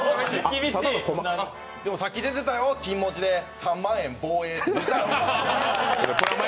でも、さっき出てたよ、金文字で、３万円防衛。